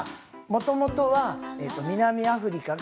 もともとは南アフリカが